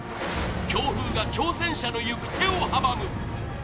強風が挑戦者の行く手を阻む。